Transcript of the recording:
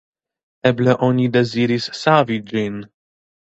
Eble oni deziris savi ĝin.